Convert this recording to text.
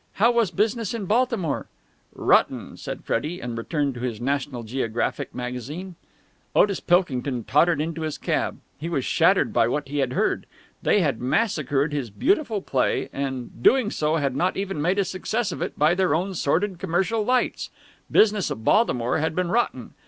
"How was business in Baltimore?" "Rotten!" said Freddie, and returned to his National Geographic Magazine. Otis Pilkington tottered into his cab. He was shattered by what he had heard. They had massacred his beautiful play and, doing so had not even made a success of it by their own sordid commercial lights. Business at Baltimore had been rotten!